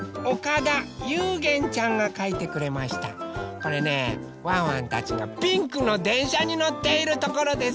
これねワンワンたちがピンクのでんしゃにのっているところです。